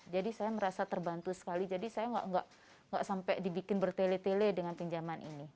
jadi saya merasa terbantu sekali jadi saya enggak sampai dibikin bertele tele dengan pinjaman ini